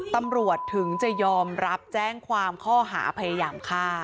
ตำรวจถึงจะยอมรับแจ้งความข้อหาพยายามฆ่า